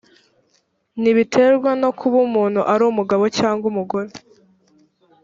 ntibiterwa no kuba umuntu ari umugabo cyangwa ari umugore